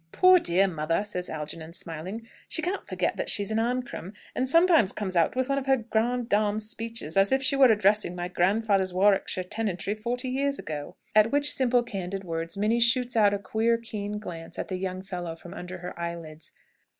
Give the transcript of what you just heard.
"Poor dear mother," says Algernon, smiling, "she can't forget that she is an Ancram; and sometimes comes out with one of her grande dame speeches, as if she were addressing my grandfather's Warwickshire tenantry forty years ago!" At which simple, candid words Minnie shoots out a queer, keen glance at the young fellow from under her eyelids.